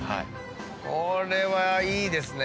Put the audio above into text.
これはいいですね。